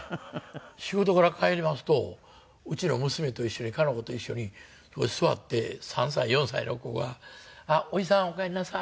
仕事から帰りますとうちの娘と一緒にかの子と一緒に座って３歳４歳の子が「あっおじさんおかえりなさい」